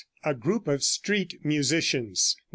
A GROUP OF STREET MUSICIANS.